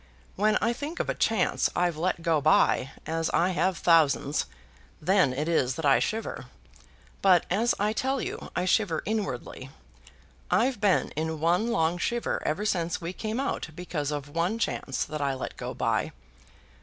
When I think of a chance I've let go by, as I have thousands, then it is that I shiver. But, as I tell you, I shiver inwardly. I've been in one long shiver ever since we came out because of one chance that I let go by.